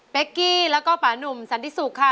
เป๊กกี้แล้วก็ป่านุ่มสันทิศุกร์ค่ะ